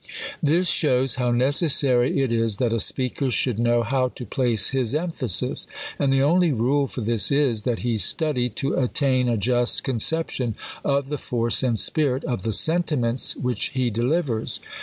. This shows how necessary it is that a speaker should know how to place his emphasis. And the only rule for this is, that he study to attain a just conception of the force and spirit of the sentiments which he delivers.